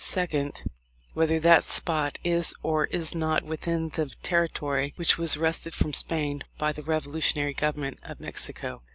Second. Whether that spot is or is not within the territory which was wrested from Spain by the revolutionary government of Mexico.